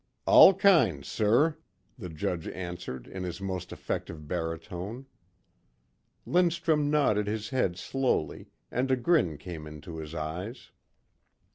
"All kinds, sir," the judge answered in his most effective baritone. Lindstrum nodded his head slowly and a grin came into his eyes.